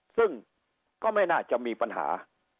ซึ่งก็ไม่น่าจะมีปัญหา